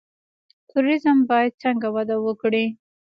توریزم باید څنګه وده وکړي؟